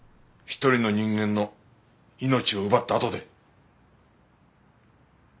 一人の人間の命を奪ったあとで。